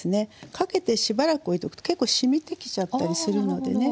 かけてしばらく置いておくと結構しみてきちゃったりするのでね。